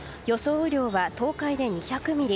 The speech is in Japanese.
雨量は東海で２００ミリ